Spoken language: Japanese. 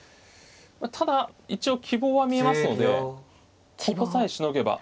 ただ一応希望は見えますのでここさえしのげば。